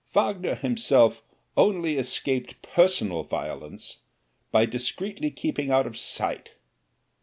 Wagner himself only escaped personal violence by discreetly keeping out of sight.